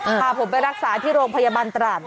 เอ่อพาผมไปรักษาที่โรงพยาบาลตรารณฑ์หน่อย